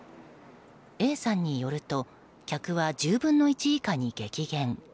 Ａさんによると客は１０分の１以下に激減。